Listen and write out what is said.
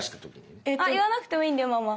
あ言わなくてもいいんだよママ。